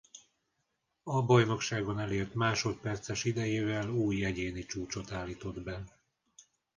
A bajnokságon elért másodperces idejével új egyéni csúcsot állított be.